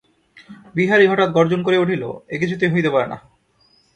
বিহারী হঠাৎ গর্জন করিয়া উঠিল, এ কিছুতেই হইতে পারে না।